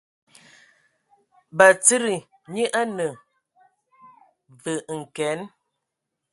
Batsidi nya a ne vǝ n kǝan.